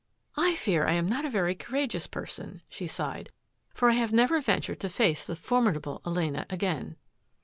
I fear I am not a very courageous person," she sighed, " for I have never ventured to face the for midable Elena again."